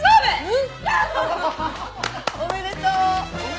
うん！おめでとう！